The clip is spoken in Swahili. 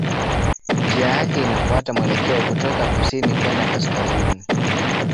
Njia yake inafuata mwelekeo kutoka kusini kwenda kaskazini.